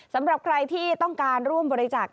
สำหรับใครที่ต้องการร่วมบริจาค